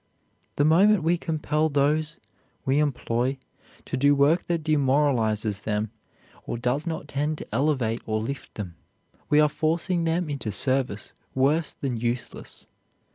The moment we compel those we employ to do work that demoralizes them or does not tend to elevate or lift them, we are forcing them into service worse than useless.